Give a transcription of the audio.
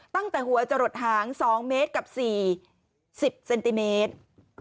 ตั้งแต่หัวจะหลดหาง๒เมตรกับ๔๐เซนติเมตร